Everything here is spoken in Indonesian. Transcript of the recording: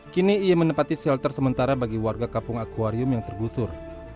kini ia menempati shelter sementara bagi warga kampung akwarium yang tergusur